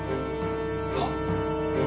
はっ。